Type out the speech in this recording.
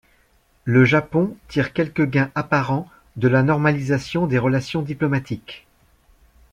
Le Japon tire quelques gains apparents de la normalisation des relations diplomatiques.